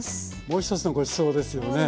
もう一つのごちそうですよね。